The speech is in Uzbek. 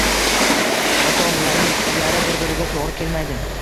ota-onalarning fikrlari bir-biriga to‘g‘ri kelmaydi.